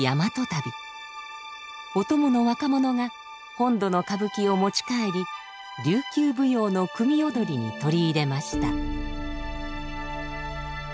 お供の若者が本土の歌舞伎を持ち帰り琉球舞踊の組踊に取り入れました。